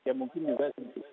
ya mungkin juga